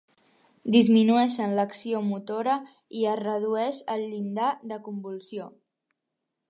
Disminueixen l'acció motora i es redueix el llindar de convulsió.